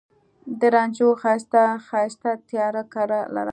د رنجو ښایسته، ښایسته تیاره کرله